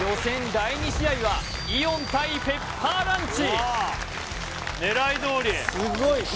第２試合はイオン対ペッパーランチ